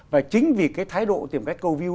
và chính vì cái thái độ tìm cách câu view